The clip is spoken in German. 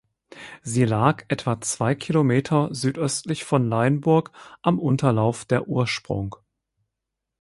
Sie lag etwa zwei Kilometer südöstlich von Leinburg am Unterlauf der Ursprung.